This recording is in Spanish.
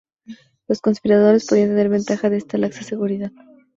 Los conspiradores podían tener ventaja de esta laxa seguridad.